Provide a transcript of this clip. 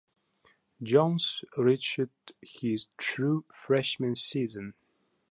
Jones redshirted his true freshman season.